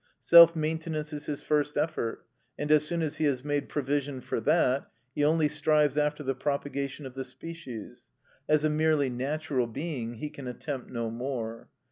Self maintenance is his first effort, and as soon as he has made provision for that, he only strives after the propagation of the species: as a merely natural being he can attempt no more.